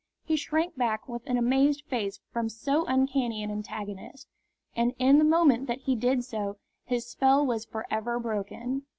He shrank back with an amazed face from so uncanny an antagonist. And in the moment that he did so his spell was for ever broken.